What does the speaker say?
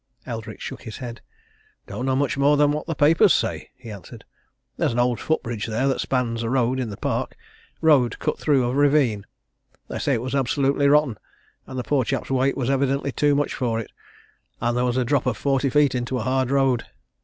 Eldrick shook his head. "Don't know much more than what the papers say," he answered. "There's an old foot bridge there that spans a road in the park road cut through a ravine. They say it was absolutely rotten, and the poor chap's weight was evidently too much for it. And there was a drop of forty feet into a hard road.